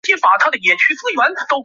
票上有写一个惨字